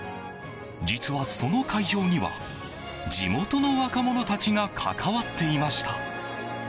実は、その会場には地元の若者たちが関わっていました。